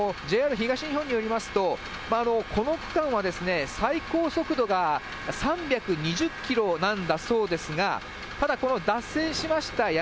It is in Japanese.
ＪＲ東日本によりますと、この区間は、最高速度が３２０キロなんだそうですが、ただこの脱線しました